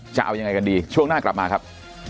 จะเอายังไงกันดีช่วงหน้ากลับมาครับ